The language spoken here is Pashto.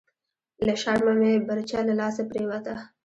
لهٔ شرمه مې برچه لهٔ لاسه پریوته… »